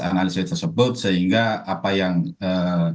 analisis tersebut sehingga apa yang ee